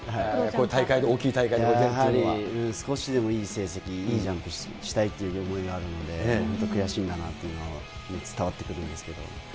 大会、大きい大会に出るっていうはい、少しでもいい成績、いいジャンプしたいっていう思いがあるので、本当に悔しいんだなっていうのは伝わってくるんですけども。